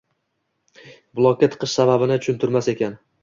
Blokka tiqish sababini tushuntirmas ekan.